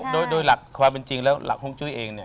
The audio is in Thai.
โดยหลักความเป็นจริงและหลักห่วงจุ้ยเอง